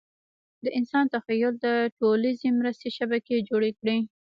د انسان تخیل د ټولیزې مرستې شبکې جوړې کړې.